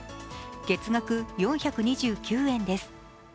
月額４２９円です。